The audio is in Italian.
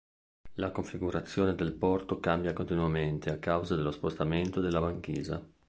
La configurazione del porto cambia continuamente a causa dello spostamento della banchisa.